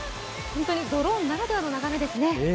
本当にドローンならではの眺めですね。